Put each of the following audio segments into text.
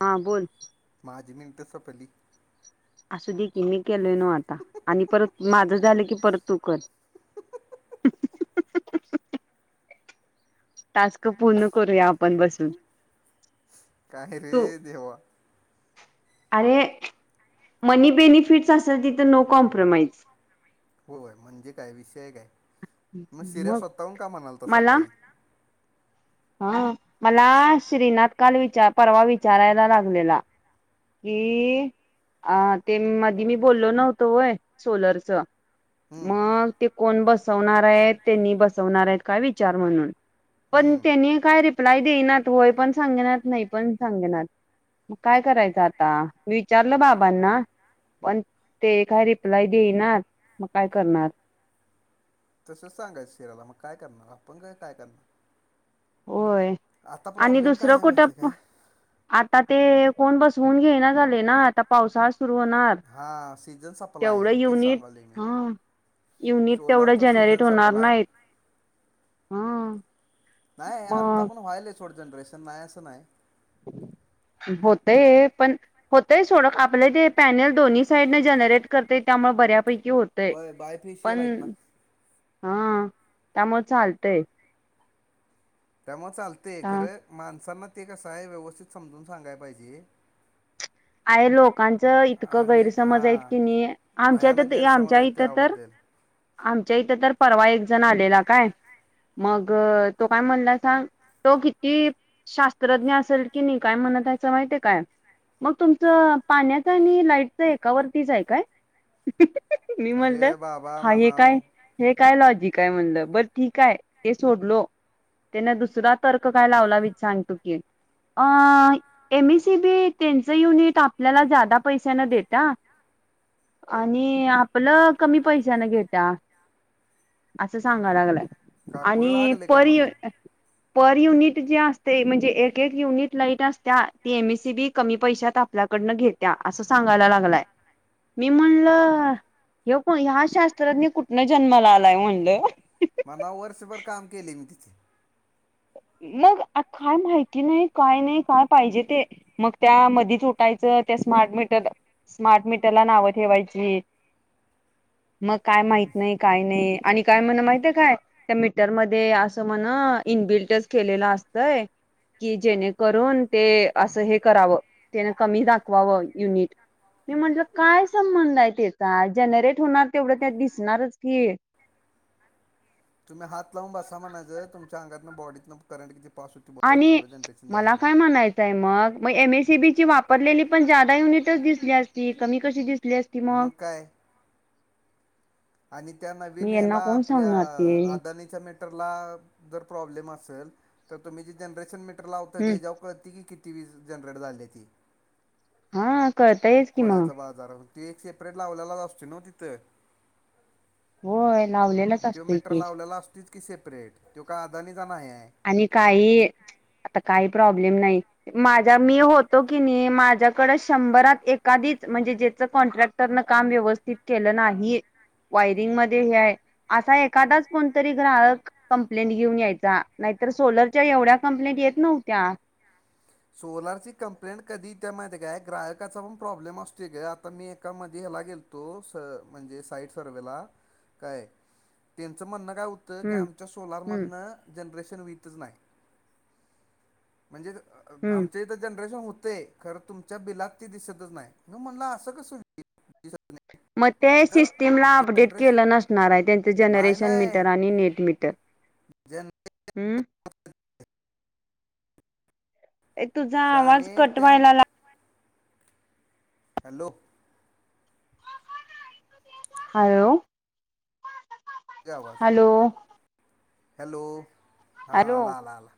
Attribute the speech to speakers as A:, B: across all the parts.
A: हा बोल.
B: पाच मिनटे संपली. [unintelligible]
A: असू देकी. मी केलय नो आता आणि परत माझं झालं की, परत तू कर. [unintelligible] टास्क पूर्ण करूया, आपण बसून.
B: काय रे
A: तू
B: देवा?
A: अरे! [unintelligible] मनी बेनिफिट्स असेल तिथं, नो कॉम्प्रोमाइज.
B: होय म्हणजे काय? विषयय काय? म सीऱ्या
A: मग
B: स्वतःहून, कामाला आलता
A: मला
B: सकाळी.
A: हा मला श्रीनाथ काल, विचार परवा विचारायला लागलेला. कि, अ ते मधी मी बोललो नव्हतो होय, सोलरच.
B: हम्म
A: मग ते कोण? बसवणार आहेत, तेनी बसवणार आहेत काय? विचार म्हणून. पण
B: हम्म
A: त्यांनी काय रिप्लाय देईनात. होय पण सांगेनात, नाही पण सांगेणात. मग काय करायचं आता? विचारलं बाबांना. पण ते काय रिप्लाय देईनात, मग काय करणार?
B: तसच सांगाय शिराल्या. मग काय करणार? आपण तर काय करणार?
A: होय
B: आता
A: आणि
B: प्रॉब्लेम काय
A: दुसरं
B: आहे
A: कुठं
B: माहिती आहे
A: प
B: काय
A: आता ते कोण बसवून घेना झाले ना, आता पाऊसाळा
B: हा सीझन सप्लाय आहे तेच
A: युनिट
B: सांगाले मी
A: हा युनिट तेवढं
B: सोलारचा सीझन
A: जनरेट होणार
B: सपला आहे
A: नाहीत ह.
B: नाही आत्ता, पण व्हायल छोडं जनरेशन नाही असं नाही.
A: हम् [unintelligible] होतय, पण होतय सोड आपले ते पॅनल दोन्ही साईड न जनरेट करत त्याप म बऱ्यापैकी होतय
B: होय
A: पण
B: बायफेशियल आहेत ना
A: हा त्यामुळे, चालतंय.
B: त्यामुळे, चालते खरं माणसांना, ते कस आहे व्यवस्थित समजून, सांगाय पाहिजे.
A: आहे लोक. लोकांचं इतकं
B: आणि
A: गैरसमज आहेत,
B: हां
A: की नाही आमच्यात,
B: भयानक गैरसमज
A: आमच्या,
B: आहेत
A: इथं तर
B: त्याबद्दल
A: आमच्या इथं तर परवा एक जण आलेला, काय मग तो काय म्हणला सांग. तो किती शास्त्रज्ञ असेल, कि नाही काय म्हणतायचं माहितय काय? मग तुमचं पाण्याच आणि लाईटच एकावरतीच आहे काय? मी म्हणत
B: अरे बाबा
A: हा हे काय
B: म्हणाव
A: हे काय लॉजिक काय म्हणलं बर ठीक आहे ते सोडलो. त्याने दुसरा तर्क काय लावला, वि सांगतो की अ एम सीबी त्यांच युनिट आपल्याला, ज्यादा पैशाने देता. आणि आपलं कमी पैशानं घेत्या. असं सांगा लागलाय,
B: काकूळ
A: आणि
B: लागले का
A: परी
B: म्हणाव
A: पर युनिट जे असते म्हणजे एक, एक, युनिट लाईट असत्या ती एम सी बी कमी पैशांत आपल्याकडनं घेत्या असं सांगायला लागलाय. मी म्हणलं हे को ह्या शास्त्रज्ञ कुठनं जन्माला आलाय म्हणलं,
B: मग नऊ, वर्षभर काम केले मी तिथे
A: [unintelligible] मग काय माहिती नाही काय नाही काय पाहिजे ते मग त्या मध्येच उठायचं. मते स्मार्टमिटर स्मार्ट मटरला नाव ठेवायची. मग काय माहित नाही काय नाही आणि काय म्हण माहितय, काय त्या मीटर मध्ये असं म्हण इनबिल्टच केलेलं असतंय कि जेणे करून ते असं हे करावं, तेने कमी दाखवावं युनिट. मी म्हटलं काय संबंध आहे त्याचा जनरेट होणार तेवढं त्यात दिसणारच की. [unintelligible]
B: तुम्ही हात लावून बसा म्हणायचं, तुमच्या अंगातनं बॉडीत करंट किती? पास होती बघ
A: आणि
B: तेवढं जनरेशन झाले
A: मला काय
B: म्हणून.
A: म्हणायचंय, मग म एम एसी बी ची वाप पडलेली पण ज्यादा युनिटच दिसली, असती कमी कशी दिसली, असती मग
B: आणि त्या नवीन,
A: मी यांना
B: हेला
A: कोण
B: आपल्या
A: सांगणार ते
B: अदानीच्या मेटरला जर प्रॉब्लेम अस असेल, तर तुम्ही जे जनरेशन मीटर लावता
A: हम्
B: त्याच्यावर कळतंय की किती? ती वीज जनरेट झाली ती
A: हा कळतयच कि मग.
B: ते एक सेपरेट लावलेलाच, असतोय ना तिथं
A: होय लावलेलाच,
B: तो
A: असतोय
B: मीटर
A: की
B: लावलेला असतोच सेपरेट तो काय आदानित
A: आणि काही आता काही प्रॉब्लेम्स नाही माझा मी होतो की नाही माझ्याकडं, शंभरात एखादीच म्हणजे चं कॉन्ट्रॅक्टरनं काम व्यवस्थित केलं नाही. वायरिंग मध्ये हे आहे असा एखादाच, कोणतरी ग्राहक कंप्लेंट घेऊन यायचा. नाहीतर सोलरच्या एवढ्या कंप्लेट येत नव्हत्या.
B: सोलर ची कंप्लेंट कधी येत्या माहितीये, काय ग्राहकाचा पण प्रॉब्लेम असतोय, गं आता मी एकामध्ये ला गेलतो स म्हणजे साइट सर्वेला काय त्यांचं म्हणणं काय होतं की,
A: हम्म
B: आमच्या सोलार
A: हम्म
B: मधन जनरेशन होतच नाही. म्हणजेच अ
A: हम्म
B: आमच्या इथं जनरेशन होतं खरं तुमच्या बिलात दिसतच नाही. मी म्हणलं असं कसं?
A: मग त्या
B: जर
A: सिस्टीमला अपडेट
B: जनरेशन
A: केलं नसणार आहे. त्यांचं
B: नाही
A: जनरेशन
B: नाही
A: मीटर आणि नेट मीटर.
B: जन
A: हम्म. ये तुझा आवाज
B: शाने
A: कट
B: त्या
A: व्हायला लागलाय.
B: हॅलो.
A: हॅलो.
B: आवाज
A: हॅलो.
B: हॅलो हा
A: हॅलो
B: आला-आला.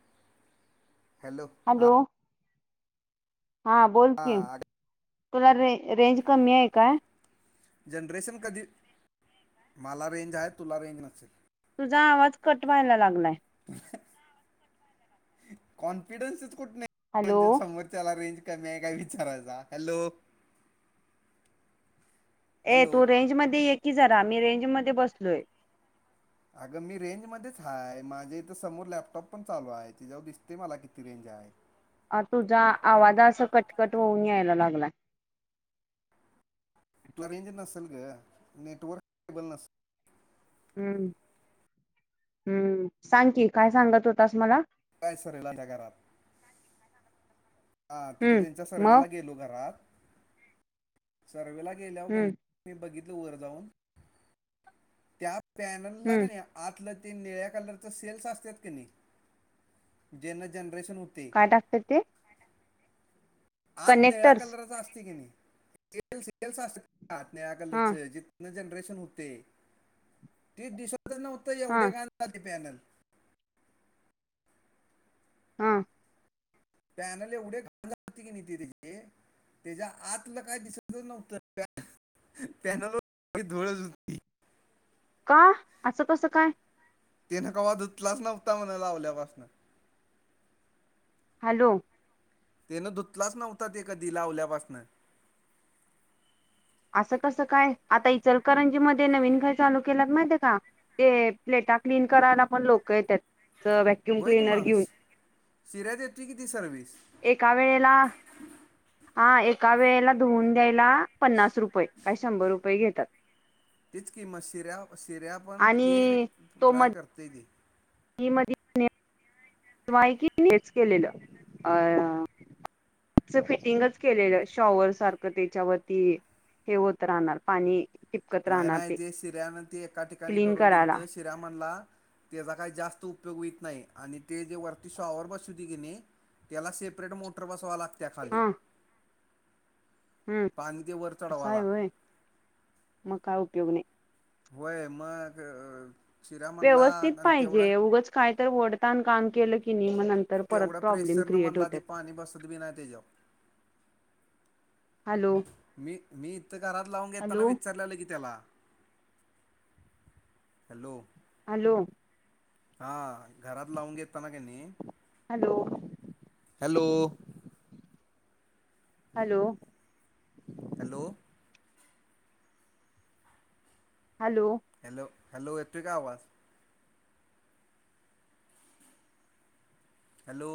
B: हॅलो हा.
A: हा बोल की
B: हां
A: तुला रे रेंज कमी आहे काय?
B: जनरेशन कधी मला रेंज आहे. तुला रेंज नसेल.
A: तुझा आवाज कटव्हायला लागलाय?
B: [unintelligible] कॉन्फिडन्सच कुठणं नाही.
A: हॅलो
B: म्हणजे समोरच्याला रेंज. कमी आहे काय विचारायचा हॅलो.
A: ए
B: हॅलो
A: तू रेंज मध्ये ये की जरा. मी रेंज मध्ये बसलोय.
B: अगं मी रेंज मधेच हाय, माझ्या इथं समोर लॅपटॉप पण चालू हाय. त्याज्यावर दिसतंय मला किती रेंज काय?
A: आरं तुझा आवाज असा कटकट होऊन यायला लागलायं.
B: तुला रेंज नसलं गं, नेटवर्क केबल नसलं.
A: हम्म, हम्म सांग की काय सांगत होतास मला?
B: हित हाय [inaudible] घरात. हा तिथं त्यांच्या
A: हम्म मग
B: सर्वेला गेलो घरात सर्वेला गेल्यावं काय नई,
A: हम्म
B: मी बघितलं वर जाऊन, त्यात पॅनलला काय
A: हम्म
B: नाही आतलं ती निळ्या कलरचं सेल्स असत्यात की नई, जेनं जेनं
A: काय टाकत्यात ते?
B: आत निळ्या
A: कनेक्टर्स
B: कलरचं असतय काय नाई, तेच डिटेल्स असलं हां, निळ्या
A: हा
B: कलरचं, जिथनं जनरेशन हुतंय ते दिस खर नव्हतं
A: हा
B: एवढे घाण कधी पॅनल
A: हं.
B: पॅनल एवढे घाण झालते कीनी दिदी ते- - त्याच्या आतलं काय दिसतंच नव्हतं. [unintelligible] पॅनलवर [unintelligible] धुळचं हुती.
A: का? असं कसं काय?
B: तेनं कवा धुतलाच नव्हता म्हणं लावल्यापासन.
A: हॅलो.
B: तेनं धुतलाच नव्हता ते कधी लावल्यापासनं
A: असं कसं काय? आता इचलकरंजी मध्ये नवीन काय चालू केल्यात माहितीय का? ते प्ले टा क्लीन करायला पण लोकं येत्यात, अ वॅक्युम
B: होय की
A: क्लिनर
B: मग
A: घेऊन.
B: शिऱ्या ती किती सर्विस?
A: एका वेळेला हा एका वेळेला धुवुन घ्यायला पन्नास रुपये काय शंभर रुपये घेतात.
B: तीच की, म शिऱ्या, शिऱ्या पण ते
A: आणि
B: ट्राय करतयं ते.
A: [unintelligible] तेच केलेलं. अं- से फिटिंगच केलेलं शॉवर सारखं त्येच्यावरती हे होत राहणार, पाणी टिपकत राहणार
B: नाही-नाही, ते शिऱ्यानं ते एका ठिकाणी
A: क्लीन
B: करून
A: करायला
B: दिलतं, शिऱ्या म्हणला तेजा काय जास्त उपयोग हुईत नाही. आणि ते जे वरती शॉवरं बसवत्यात की नई त्याला सेपरेट मोटर बसवावं लागत्या खाली..
A: हा हम्म,
B: पाणी ते वर
A: तसं हाय
B: चढवाला
A: होय मगं काय उपयोगं नाई..
B: होय मंग.
A: व्यवस्थित पाहिजे, उगचं काय तर वढतानं काम केलं की नई
B: तेवध्या प्रेशर न म्हणला ते पाणी बसत बी नाही त्यज्यातं
A: हॅलो
B: मी, मी इथ घरात लावून घताना
A: हॅलो
B: विचारलेलं की त्याला. हॅलो.
A: हॅलो.
B: हा, घरात लावून घेतताना क नई
A: hello
B: hello
A: hello
B: hello
A: hello
B: hello hello येतुयं का आवाज? Hello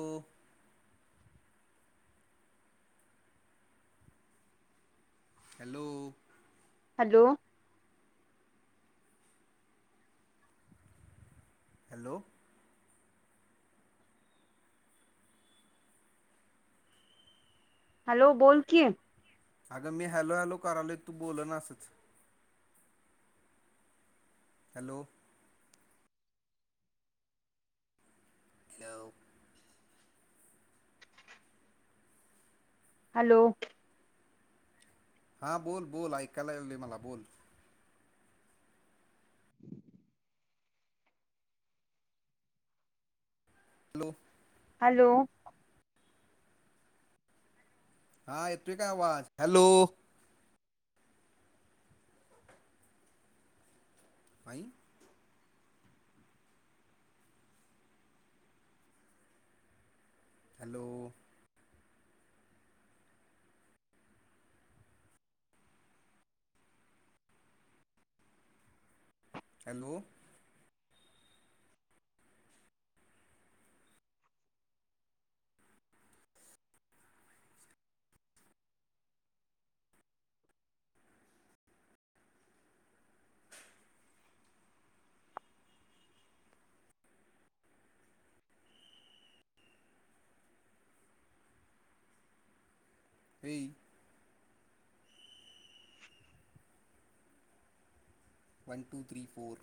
B: hello
A: hello,
B: hello
A: hello बोल कि.
B: अगं मी हॅलो हॅलो करालो तू बोल न असच. हॅलो,. घेव.
A: हॅलो.
B: हा बोल बोल ऐकायला याले मला बोल. आलो
A: हयलो.
B: हा य तो काय आवाज हॅलो. आई. हॅलो. हॅलो. ये. One two three four.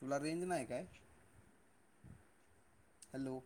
B: तुला रेंज नाही काय हॅलो.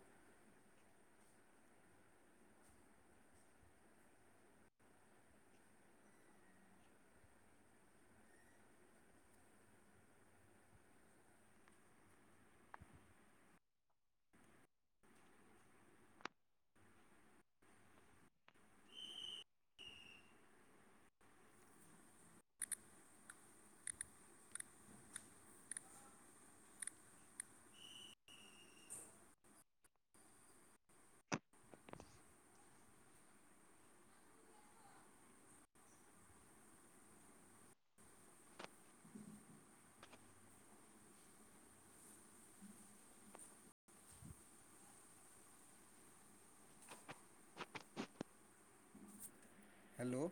B: हॅलो.